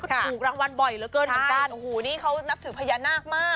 ถูกรางวัลบ่อยเหลือเกินเหมือนกันโอ้โหนี่เขานับถือพญานาคมาก